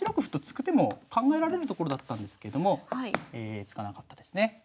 歩と突く手も考えられるところだったんですけども突かなかったですね。